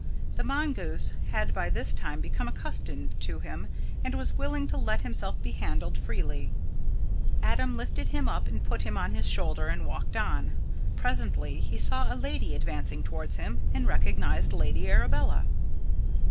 The mongoose had by this time become accustomed to him, and was willing to let himself be handled freely. Adam lifted him up and put him on his shoulder and walked on. Presently he saw a lady advancing towards him, and recognised Lady Arabella.